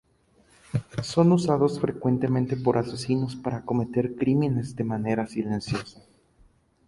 Son usados frecuentemente por asesinos para cometer crímenes de manera silenciosa.